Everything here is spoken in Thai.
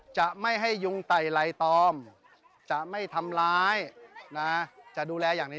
จะไม่ให้ยุงไต่ไล่ตอมจะไม่ทำร้ายนะจะดูแลอย่างนี้